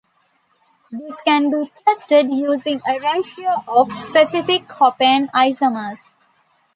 This can be tested using a ratio of specific hopane isomers.